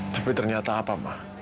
tapi ternyata apa ma